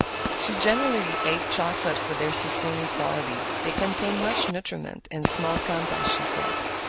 She habitually ate chocolates for their sustaining quality; they contained much nutriment in small compass, she said.